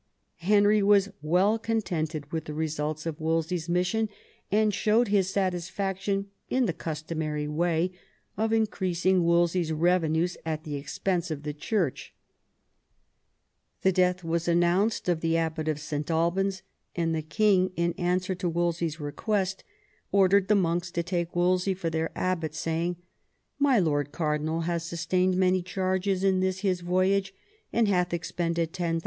Henry was well con tented with the results of Wolsey's mission, and showed his satisfaction in the customary way of increasing Wolsey's revenues at the expense of the ChurcL The death was announced of the Ahbot of St. Albans, and the king, in answer to Wolsey's request, ordered the monks to take Wolsey for their abbot, saying, " My lord cardinal has sustained many charges in this his voyage, and hath expended £10,000."